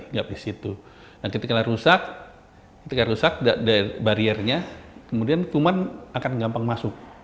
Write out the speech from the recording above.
hingga disitu dan ketika rusak rusak dari bariernya kemudian kuman akan gampang masuk